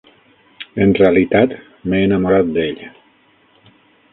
En realitat, m'he enamorat d'ell.